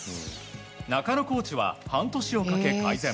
中野コーチは半年をかけ改善。